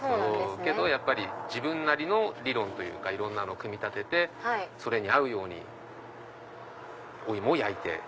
やっぱり自分なりの理論というかいろんなの組み立ててそれに合うようにお芋を焼いて。